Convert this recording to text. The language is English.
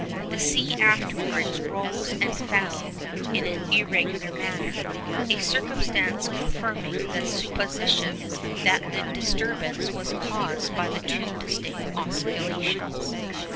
The sea afterwards rose and fell in an irregular manner, a circumstance confirming the supposition that the disturbance was caused by two distinct oscillations.